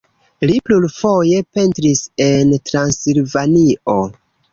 Li plurfoje pentris en Transilvanio.